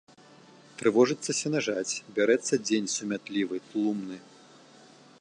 Трывожыцца сенажаць, бярэцца дзень сумятлівы, тлумны.